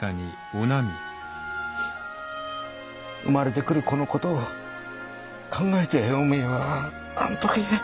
生まれてくる子の事を考えておめえはあん時。